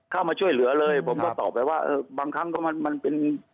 เข้ามาช่วยเหลือเลยผมก็ตอบไปว่าเออบางครั้งก็มันเป็น